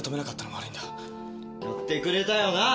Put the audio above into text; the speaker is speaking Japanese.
やってくれたよな！